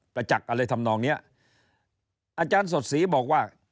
จักษ์อะไรทำนองเนี้ยอาจารย์สดศรีบอกว่า